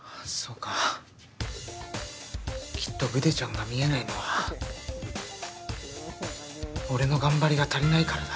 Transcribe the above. かきっとぐでちゃんが見えないのは俺の頑張りが足りないからだ